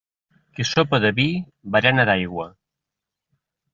Qui sopa de vi berena d'aigua.